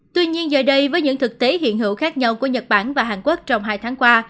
tuy nhiên giờ đây với những thực tế hiện hữu khác nhau của nhật bản và hàn quốc trong hai tháng qua